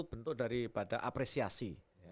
bentuk daripada apresiasi